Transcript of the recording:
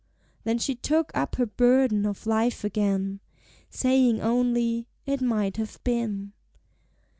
Then she took up her burden of life again, Saying only, "It might have been."